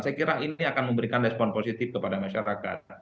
saya kira ini akan memberikan respon positif kepada masyarakat